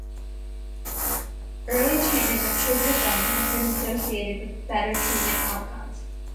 Early treatment of trigger thumb has been associated with better treatment outcomes.